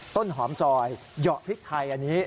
ต้นหอมซอยเหยาะพริกไทยอันนี้